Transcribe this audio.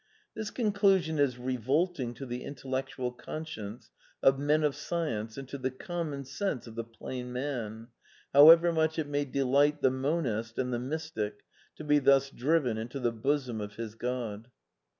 This conclusion is revolting to the intellectual con science of men of science and to the common sense of the plain man, however much it may delight the Monist and the mystic to be thus driven into the bosom of his Gk)d.